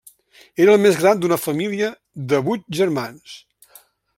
Era el més gran d'una família de vuit germans.